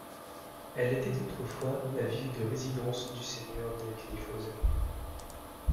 Elle était autrefois la ville de résidence du seigneur de Kniphausen.